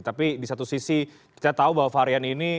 tapi di satu sisi kita tahu bahwa varian ini